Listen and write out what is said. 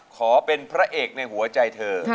ขอเป็นพระเอกในหัวใจเธอ